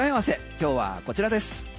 今日はこちらです。